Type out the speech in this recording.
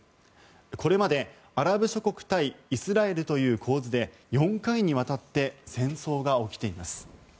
これまでアラブ諸国対イスラエルという構図で４回にわたって戦争が起きています。